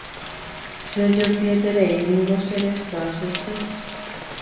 Chejopietereíniko che resa che sy